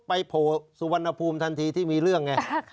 โผล่สุวรรณภูมิทันทีที่มีเรื่องไง